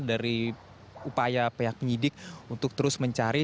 dari upaya pihak penyidik untuk terus mencari